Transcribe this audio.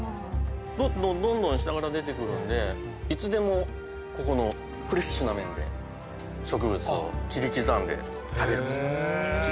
どんどんどんどん下から出てくるんでいつでもここのフレッシュな面で植物を切り刻んで食べることができる。